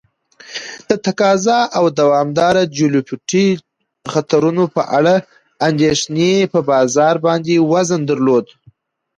د تقاضا او دوامداره جیوپولیتیک خطرونو په اړه اندیښنې په بازار باندې وزن درلود.